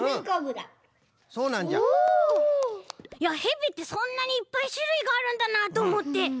いやヘビってそんなにいっぱいしゅるいがあるんだなあとおもって。